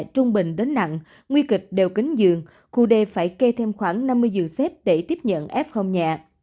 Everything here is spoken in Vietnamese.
trung bình đến nặng nguy kịch đều kính dường khu đề phải kê thêm khoảng năm mươi dường xếp để tiếp nhận f nhẹ